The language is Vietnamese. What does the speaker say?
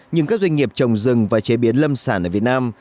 nhưng các doanh nghiệp trồng rừng và chế biến lâm sản ở việt nam